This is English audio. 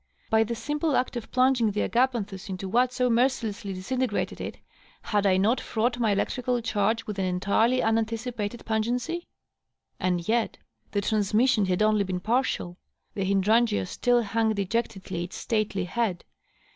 By the simple act of plunging the agapanthus into what so mercilessly disintegrated it, had I not fraught my electrical charge with an entirely unanticipated pungency? And yet the transmission had only been partial. The hydrangea still hung dejectedly its stately head.